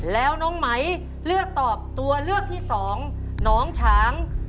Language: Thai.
แล้วน้องไหมเลือกตอบตัวเลือกที่สองน้องฉาง